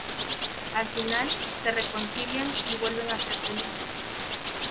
Al final, se reconcilian y vuelven a ser felices.